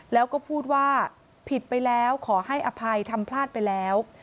แล้วก็พูดว่าผิดไปแล้วขอให้อภัยทำพลาดไปแล้ว